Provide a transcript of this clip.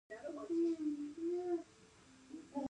د وظایفو د لایحې ترتیب کول.